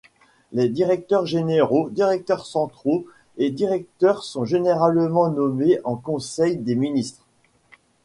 Les directeurs généraux, directeurs centraux et directeurs sont généralement nommés en Conseil des ministres.